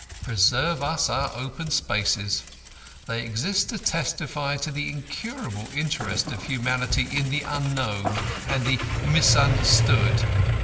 Preserve us our open spaces; they exist to testify to the incurable interest of humanity in the Unknown and the Misunderstood.